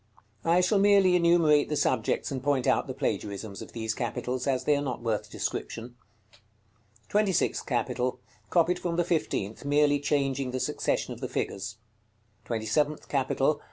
I shall merely enumerate the subjects and point out the plagiarisms of these capitals, as they are not worth description. § CXXV. TWENTY SIXTH CAPITAL. Copied from the fifteenth, merely changing the succession of the figures. TWENTY SEVENTH CAPITAL.